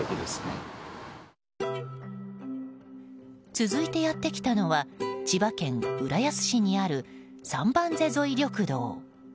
続いてやって来たのは千葉県浦安市にある三番瀬沿い緑道。